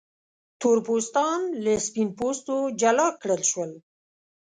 تور پوستان له سپین پوستو جلا کړل شول.